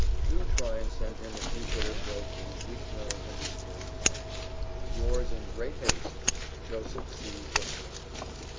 Do try and send him a few bitter pills for his weak nerves and disturbed mind. Yours in great haste, Jos. C. Bustill.